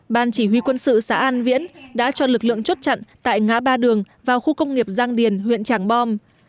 ban chỉ huy quân sự xã an viễn đã cho lực lượng chốt chặn tại ngã ba đường vào khu công nghiệp giang điền huyện trảng bom